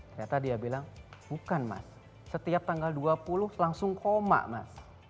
ternyata dia bilang bukan mas setiap tanggal dua puluh langsung koma mas